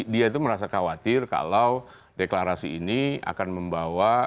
dia itu merasa khawatir kalau deklarasi ini akan membawa